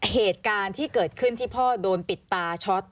เหตุการณ์ที่เกิดขึ้นที่พ่อโดนปิดตาช็อต